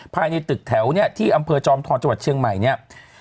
ภายในตึกแถวเนี่ยที่อำเภอจอมทองจังหวัดเชียงใหม่เนี่ย